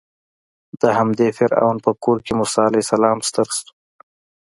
د همدې فرعون په کور کې موسی علیه السلام ستر شو.